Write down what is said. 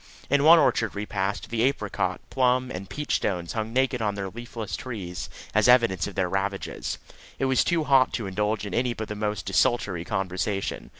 In one orchard we passed, the apricot, plum, and peach stones hung naked on their leafless trees as evidence of their ravages. It was too hot to indulge in any but the most desultory conversation.